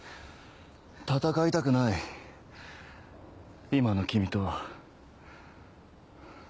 戦いたくない今の君とは。